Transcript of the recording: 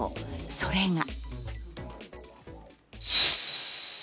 それが。